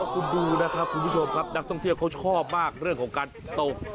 คุณดูนะครับคุณผู้ชมครับนักท่องเที่ยวเขาชอบมากเรื่องของการตก